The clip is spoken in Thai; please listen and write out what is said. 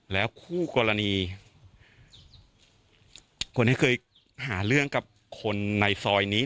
แล้วคู่กรณีคนที่เคยหาเรื่องกับคนในซอยนี้